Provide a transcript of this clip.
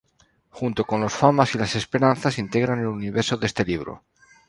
Junto con los "famas" y las "esperanzas", integran el universo de este libro.